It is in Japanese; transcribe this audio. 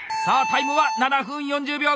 タイムは７分４０秒。